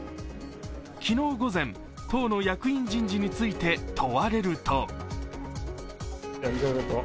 昨日午前、党の役員人事について問われると。